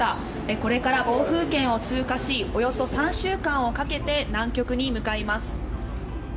これから暴風圏を通過しおよそ３週間をかけて南極に向かいます。